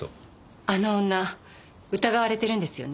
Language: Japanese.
あの女疑われてるんですよね？